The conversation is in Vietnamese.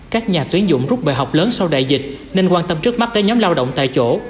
các nhà tuyến dụng rút bài học lớn sau đại dịch nên quan tâm trước mắt đến nhóm lao động tại chỗ